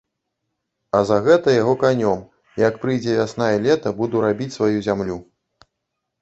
А за гэта яго канём, як прыйдзе вясна і лета, буду рабіць сваю зямлю.